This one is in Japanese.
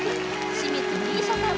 清水美依紗さん